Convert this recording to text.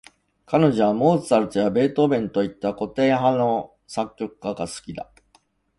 彼女はモーツァルトやベートーヴェンといった、古典派の作曲家が好きだ。